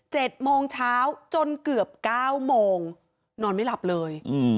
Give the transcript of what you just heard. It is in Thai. โมงเช้าจนเกือบเก้าโมงนอนไม่หลับเลยอืม